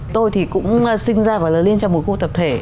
tôi thì cũng sinh ra và lớn lên trong một khu tập thể